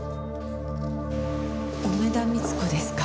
梅田三津子ですか。